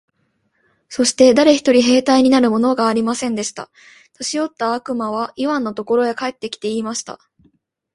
そして誰一人兵隊になるものがありませんでした。年よった悪魔はイワンのところへ帰って来て、言いました。